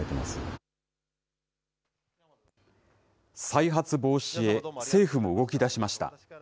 再発防止へ、政府も動きだしました。